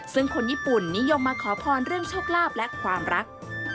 ซึ่งคนญี่ปุ่นนิยมมาขอพรเรื่องโชคลาภและความรัก